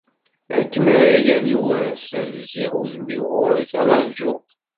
Akken ara yali wass, ad zziɣ udem-iw ɣur-k, ad rǧuɣ!